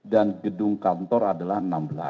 dan gedung kantor adalah enam belas